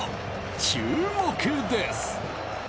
注目です。